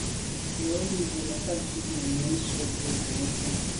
Ndɔ̌lî zə̀ mə̀kát fít nə̀ tswə́ bû zə̀ nə́ sɛ́n.